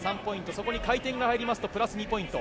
そこに回転が入りますとプラス２ポイント。